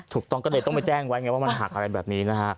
ถูกต้องก็เลยต้องไปแจ้งไว้ไงว่ามันหักอะไรแบบนี้นะฮะ